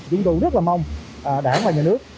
chúng tôi rất mong đảng và nhà nước